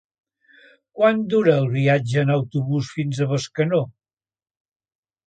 Quant dura el viatge en autobús fins a Bescanó?